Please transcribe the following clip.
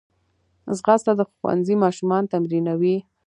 ځغاسته د ښوونځي ماشومان تمرینوي